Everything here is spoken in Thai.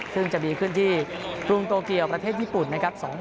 ซึ่งจะดีขึ้นที่ปรุงโตเกียวประเทศญี่ปุ่น